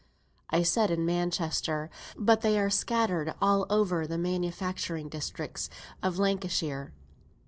I said "in Manchester," but they are scattered all over the manufacturing districts of Lancashire.